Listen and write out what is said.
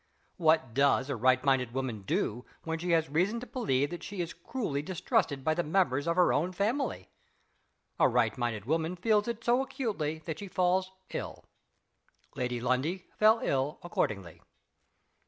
What does a right minded woman do, when she has reason to believe that she is cruelly distrusted by the members of her own family? A right minded woman feels it so acutely that she falls ill. Lady Lundie fell ill accordingly.